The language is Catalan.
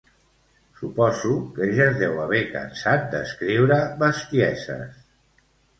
Suposo que ja es deu haver cansat d'escriure bestieses